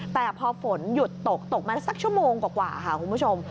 แต่พอฝนหยุดตกตกมาสักชั่วโมงกว่าค่ะคุณผู้ชม